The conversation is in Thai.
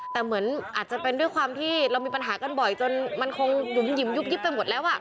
แต่เหมือนอาจจะเป็นด้วยความที่เรามีปัญหากันบ่อยจนมันคงหยุ่มหิมยุบยิบไปหมดแล้ว